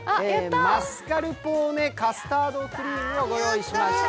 マスカルポーネカスタードクリームをご用意しました。